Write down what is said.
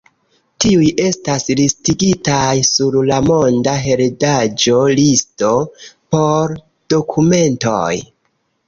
Tiuj estas listigitaj sur la monda heredaĵo-listo por dokumentoj.